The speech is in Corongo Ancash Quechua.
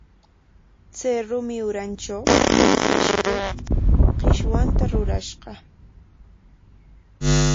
Chay rumi urantraw pishqu qishwanta rurashqa.